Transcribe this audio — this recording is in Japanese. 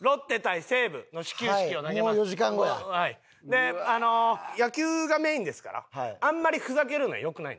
で野球がメインですからあんまりふざけるのは良くないです。